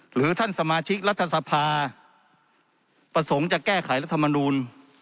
หรือท่านสมาชิกรัฐสภาประสงค์จะแก้ไขรัฐมนูล